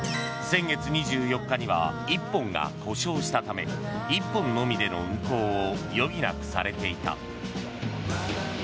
先月２４日には１本が故障したため１本のみでの運行を余儀なくされていた。